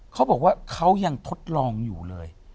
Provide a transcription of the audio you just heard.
เขาบอกว่าเขายังทดลองอยู่เลย